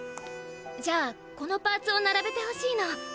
じゃあこのパーツをならべてほしいの。